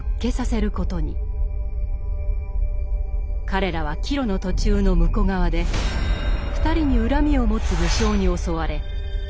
彼らは帰路の途中の武庫川で２人に恨みを持つ武将に襲われ一族